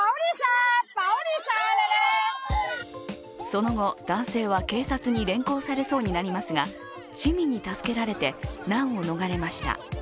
その後、男性は警察に連行されそうになりますが、市民に助けられて難を逃れました。